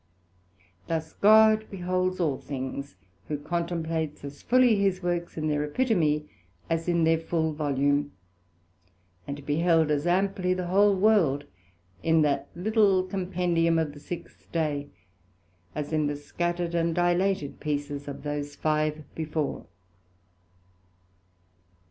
Thus God beholds all things, who contemplates as fully his works in their Epitome, as in their full volume; and beheld as amply the whole world in that little compendium of the sixth day, as in the scattered and dilated pieces of those five before.